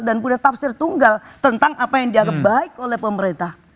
dan punya tafsir tunggal tentang apa yang dianggap baik oleh pemerintah